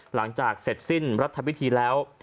หลังจากเสร็จสิ้นรัฐพิธีแล้ว